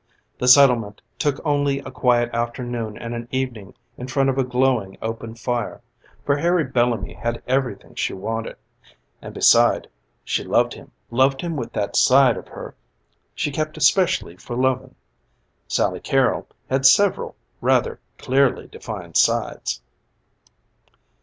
The settlement took only a quiet afternoon and an evening in front of a glowing open fire, for Harry Bellamy had everything she wanted; and, beside, she loved him loved him with that side of her she kept especially for loving. Sally Carrol had several rather clearly defined sides.